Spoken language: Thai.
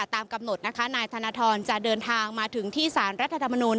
ตามกำหนดนะคะนายธนทรจะเดินทางมาถึงที่สารรัฐธรรมนูล